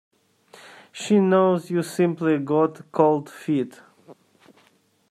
She knows you simply got cold feet.